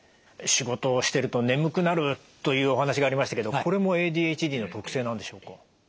仕事をしてると眠くなるというお話がありましたけどこれもＡＤＨＤの特性なんでしょうか？